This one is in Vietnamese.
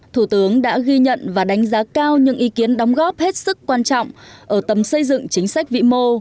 thủ tướng đã ghi nhận và đánh giá cao những ý kiến đóng góp hết sức quan trọng ở tầm xây dựng chính sách vĩ mô